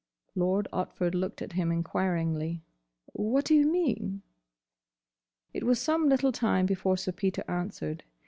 Lord Otford looked at him enquiringly. "What do you mean?" It was some little time before Sir Peter answered.